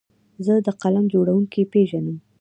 زه د فلم جوړونکي پیژنم.